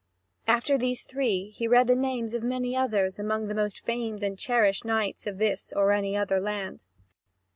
After these three, he read the names of many others among the most famed and cherished knights of this or any other land.